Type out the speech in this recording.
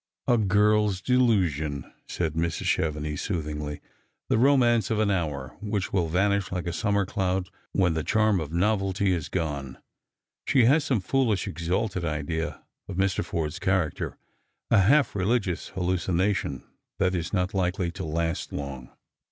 "A girl's delusion," said Mrs. Chevenix soothingly; "the romance of an hour, which wiU vanish like a summer cloud when the charm of novelty is gone. She has some foolish exalted idea of Mr. Forde's character, a half religious hallucination that is not likely to last long."